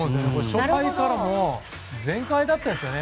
初回から全開だったんですよね。